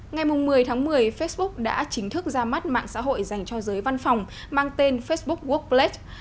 ngày một mươi tháng một mươi facebook đã chính thức ra mắt mạng xã hội dành cho giới văn phòng mang tên facebook work plex